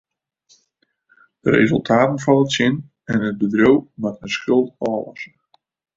De resultaten falle tsjin en it bedriuw moat in skuld ôflosse.